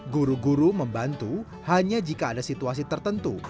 guru guru membantu hanya jika ada situasi tertentu